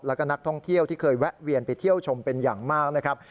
แล้วก็นักท่องเที่ยวที่เคยแวะเวียนไปเที่ยวชมเป็นอย่างมากนะครับ